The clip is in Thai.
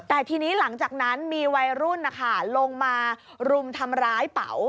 แต่ทีนี้หลังจากนั้นมีวัยรุ่นนะคะลงมารุมทำร้ายเป๋า